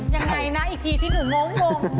ยังไงนะอีกทีที่หนูงง